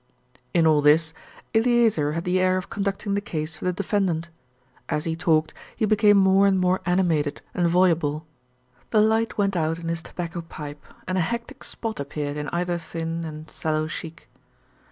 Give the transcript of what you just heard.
In all this Eleazer had the air of conducting the case for the defendant. As he talked he became more and more animated and voluble. The light went out in his tobacco pipe, and a hectic spot appeared in either thin and sallow cheek.